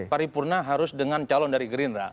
pari purna harus dengan calon dari gerindra